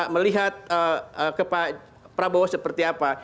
melihat ke pak prabowo seperti apa